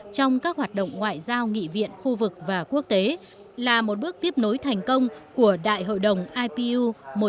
trong các hoạt động ngoại giao nghị viện khu vực và quốc tế là một bước tiếp nối thành công của đại hội đồng apu một trăm ba mươi hai